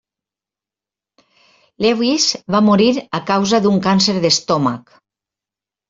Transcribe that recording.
Lewis va morir a causa d'un càncer d'estómac.